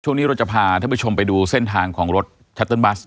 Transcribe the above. ช่วงนี้เราจะพาท่านผู้ชมไปดูเส้นทางของรถชัตเติ้บัส